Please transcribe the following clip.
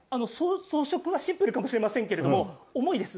装飾はシンプルかもしれませんけれども重いです。